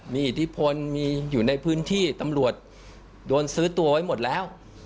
มีอิทธิพลมีอยู่ในพื้นที่ตำรวจโดนซื้อตัวไว้หมดแล้ว